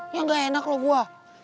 ya ga enak loh gue